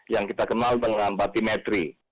yang kita kenal dengan batimetri